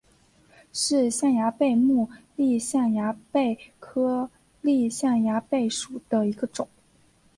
是象牙贝目丽象牙贝科丽象牙贝属的一种。